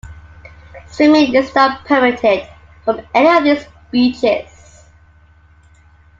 Swimming is not permitted from any of its beaches.